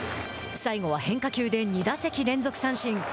最後は変化球で２打席連続三振。